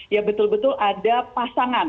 ya betul betul ada pasangan